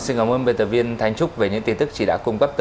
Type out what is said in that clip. cảm ơn sự quan tâm theo dõi của quý vị và các bạn